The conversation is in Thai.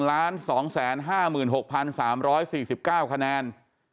๑ล้าน๒๕๖๓๔๙คะแนน